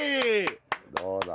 どうだ。